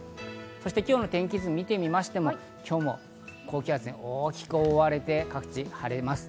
そして今日の天気図を見てみましても、高気圧に広く覆われて各地晴れます。